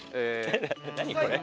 何これ。